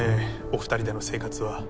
お２人での生活は。